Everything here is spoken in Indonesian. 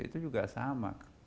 itu juga sama